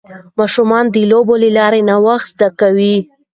ماشومان د لوبو له لارې نوښت زده کوي.